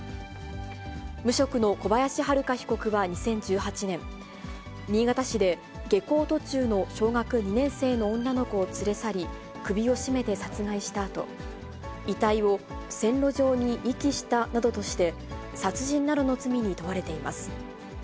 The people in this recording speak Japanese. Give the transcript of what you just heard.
無職の小林遼被告は、２０１８年、新潟市で、下校途中の小学２年生の女の子を連れ去り、首を絞めて殺害したあと、遺体を線路上に遺棄したなどとして、殺人などの罪に問われています。